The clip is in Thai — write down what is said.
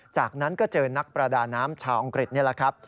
จากนั้นก็เจอนักประดาน้ำชาวอังกฤษนี่แหละครับ